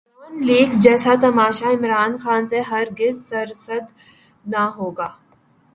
Dawn leaks جیسا تماشا عمران خان سے ہر گز سرزد نہ ہوگا۔